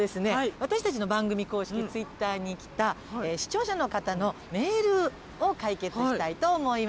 私たちの番組公式Ｔｗｉｔｔｅｒに来た視聴者の方のメールを解決したいと思います。